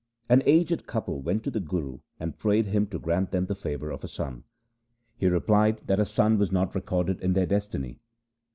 An aged couple went to the Guru and prayed him to grant them the favour of a son. He replied that a son was not recorded in their destiny.